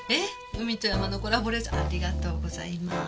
海と山のコラボレーションありがとうございます。